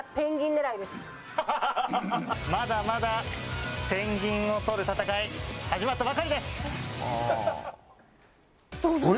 まだまだペンギンを取る戦い、始まったばかりです。